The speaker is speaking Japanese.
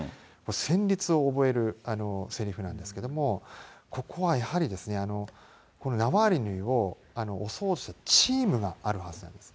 戦りつを覚えるせりふなんですけれども、ここはやはりですね、ナワリヌイを襲うチームがあるはずなんです。